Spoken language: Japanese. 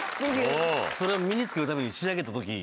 それを身に付けるために仕上げた時。